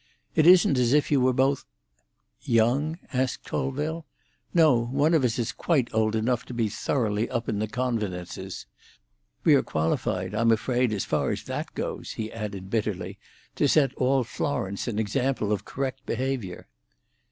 It isn't as if you were both—" "Young?" asked Colville. "No; one of us is quite old enough to be thoroughly up in the convenances. We are qualified, I'm afraid, as far as that goes," he added bitterly, "to set all Florence an example of correct behaviour."